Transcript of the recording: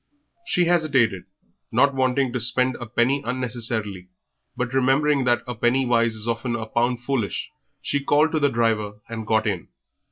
She hesitated, not wishing to spend a penny unnecessarily, but remembering that a penny wise is often a pound foolish she called to the driver and got in.